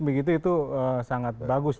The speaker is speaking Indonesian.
begitu itu sangat bagus